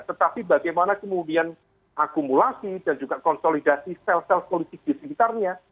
tetapi bagaimana kemudian akumulasi dan juga konsolidasi sel sel politik di sekitarnya